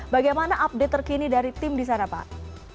bagaimana update terkini dari tim di sana pak